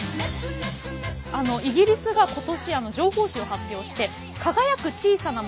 イギリスが今年情報誌を発表して「輝く小さな街」